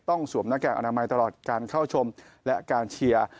สวมหน้ากากอนามัยตลอดการเข้าชมและการเชียร์